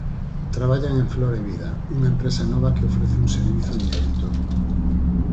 Traballan en Flor e vida, unha empresa nova que ofrece un servizo inédito.